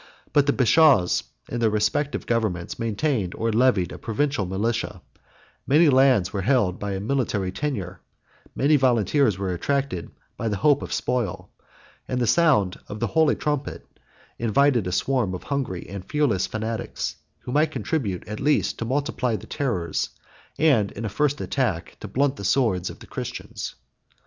But the bashaws, in their respective governments, maintained or levied a provincial militia; many lands were held by a military tenure; many volunteers were attracted by the hope of spoil and the sound of the holy trumpet invited a swarm of hungry and fearless fanatics, who might contribute at least to multiply the terrors, and in a first attack to blunt the swords, of the Christians.